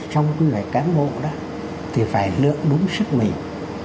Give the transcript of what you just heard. trong quy hoạch cán bộ đó thì phải lượng đúng sức mình